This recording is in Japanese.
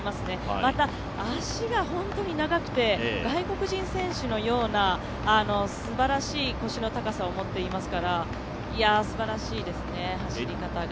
また、足が本当に長くて外国人選手のようなすばらしい腰の高さを持っていますから、すばらしいですね、走り方が。